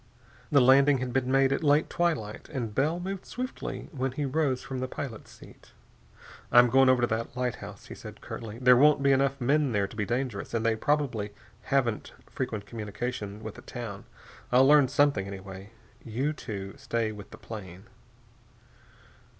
The landing had been made at late twilight, and Bell moved stiffly when he rose from the pilot's seat. "I'm going over to that lighthouse," he said curtly. "There won't be enough men there to be dangerous and they probably haven't frequent communication with the town. I'll learn something, anyway. You two stay with the plane."